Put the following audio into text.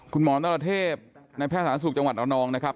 คุณหมอนตลเทพในแพทย์สารสูตรจังหวัดอาวนองนะครับ